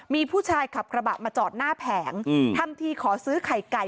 มีผู้ชายขับกระบะมาจอดหน้าแผงทำทีขอซื้อไข่ไก่